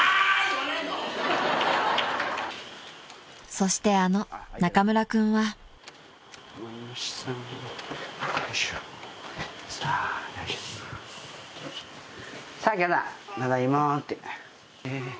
［そしてあの中村君は］さあただいまーって。